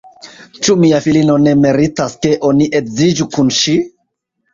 Ĉu mia filino ne meritas, ke oni edziĝu kun ŝi?